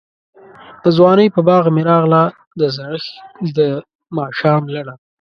دځوانۍ په باغ می راغله، دزړښت دماښام لړه